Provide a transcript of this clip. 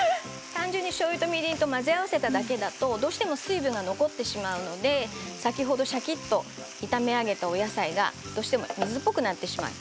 単純にみりんとしょうゆを混ぜ合わせただけだとどうしても水分が残ってしまうので先ほどシャキッと炒め上げたお野菜がどうしても水っぽくなってしまう。